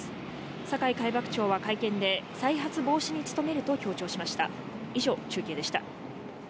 酒井海幕長は会見で、再発防止に努めると強調しました。